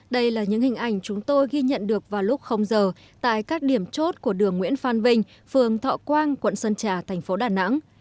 đây là những hình ảnh chúng tôi ghi nhận được vào lúc giờ tại các điểm chốt của đường nguyễn phan vinh phường thọ quang quận sơn trà thành phố đà nẵng